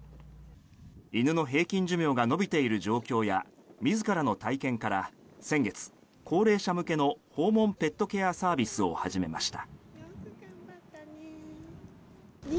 犬の平均寿命が延びている状況や自らの体験から先月、高齢者向けの訪問ペットケアサービスを始めました。